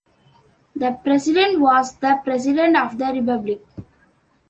The President was the President of the Republic.